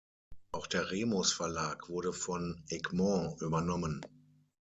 Auch der Remus-Verlag wurde von Egmont übernommen.